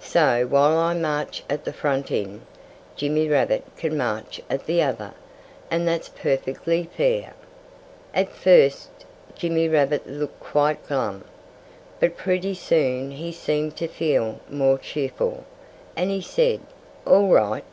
So while I march at the front end, Jimmy Rabbit can march at the other. And that's perfectly fair." At first Jimmy Rabbit looked quite glum. But pretty soon he seemed to feel more cheerful; and he said, "All right!"